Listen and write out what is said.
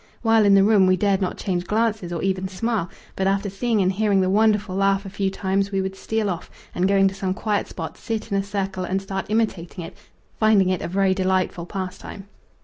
While in the room we dared not change glances or even smile; but after seeing and hearing the wonderful laugh a few times we would steal off and going to some quiet spot sit in a circle and start imitating it, finding it a very delightful pastime.